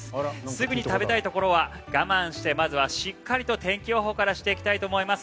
すぐに食べたいところは我慢してまずはしっかりと天気予報からしていきたいと思います。